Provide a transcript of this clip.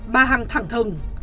bà hằng thẳng thừng